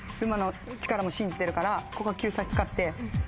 からここは救済使って。